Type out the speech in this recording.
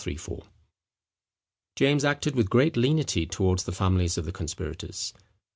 ] James acted with great lenity towards the families of the conspirators.